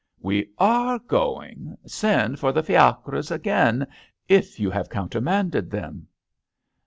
We are going ; send for the fiacres again if you have counter manded them."